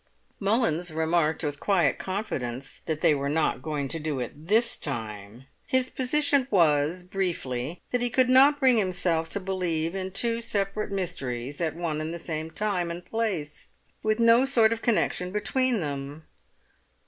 Mullins remarked with quiet confidence that they were not going to do it this time. His position was, briefly, that he could not bring himself to believe in two separate mysteries, at one and the same time and place, with no sort of connection between them.